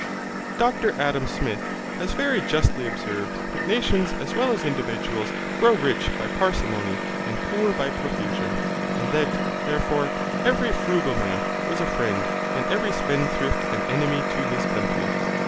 Dr Adam Smith has very justly observed that nations as well as individuals grow rich by parsimony and poor by profusion, and that, therefore, every frugal man was a friend and every spendthrift an enemy to his country.